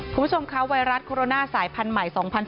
คุณผู้ชมคะไวรัสโคโรนาสายพันธุ์ใหม่๒๐๑๙